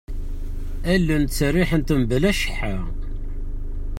Allen ttseriḥent-d mebla cceḥḥa.